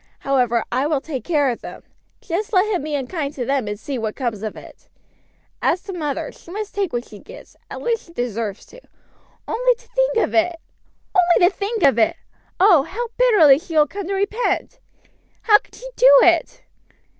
However, I will take care of them. Just let him be unkind to them, and see what comes of it! As to mother, she must take what she gets, at least she deserves to. Only to think of it! only to think of it! Oh, how bitterly she will come to repent! How could she do it!